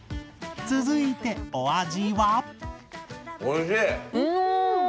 続いてお味は？